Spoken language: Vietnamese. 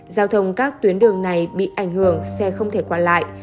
giao thông các tuyến đường này bị ảnh hưởng xe không thể qua lại